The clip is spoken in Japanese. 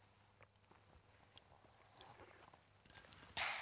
あ。